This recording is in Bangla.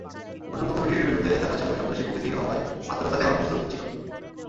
পূর্ণাঙ্গ কমিটির বিরুদ্ধে থাকা সবাই সন্ত্রাসী প্রকৃতির হওয়ায় আত্মরক্ষার্থে এমন প্রস্তুতি ছিল।